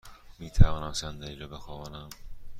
می توانم صندلی ام را بخوابانم؟